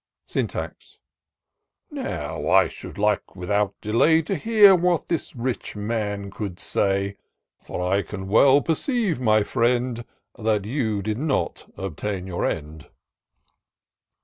Syntax. " Now I should like without delay. To hear what this rich man could say ; For I can well perceive, my friend. That you did not obtain your end."